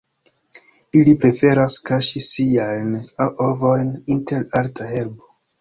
Ili preferas kaŝi siajn ovojn inter alta herbo.